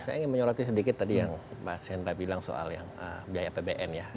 saya ingin menyorotin sedikit tadi yang mas hendra bilang soal biaya apbn ya